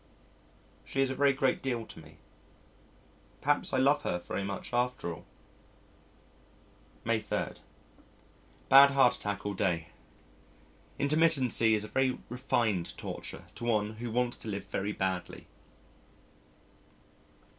... She is a very great deal to me. Perhaps I love her very much after all. May 3. Bad heart attack all day. Intermittency is very refined torture to one who wants to live very badly.